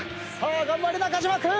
頑張れ中島君！